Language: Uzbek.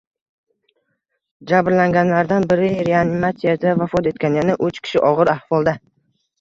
Jabrlanganlardan biri reanimatsiyada vafot etgan, yana uch kishi og‘ir ahvolda